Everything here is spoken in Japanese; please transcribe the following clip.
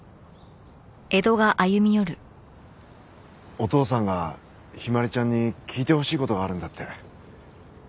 お父さんが陽葵ちゃんに聞いてほしい事があるんだって。